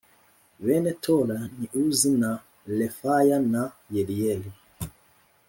Bene Tola ni Uzi na Refaya na Yeriyeli